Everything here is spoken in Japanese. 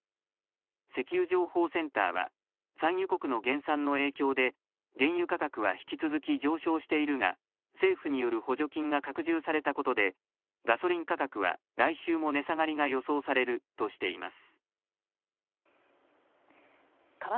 石油情報センターは、産油国の減産の影響で、原油価格は引き続き上昇しているが、政府による補助金が拡充されたことで、ガソリン価格は来週も値下がりが予想されるとしています。